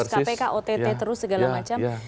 kpk ott terus segala macam